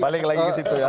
balik lagi ke situ ya